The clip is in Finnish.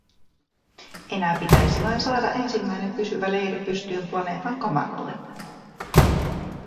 Enää pitäisi vain saada ensimmäisen pysyvä leiri pystyyn planeetan kamaralle.